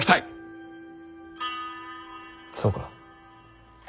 そうか。